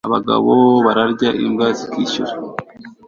abagabo bararya imbwa zikishyura